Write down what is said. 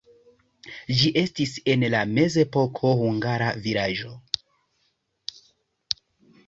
Ĝi estis en la mezepoko hungara vilaĝo.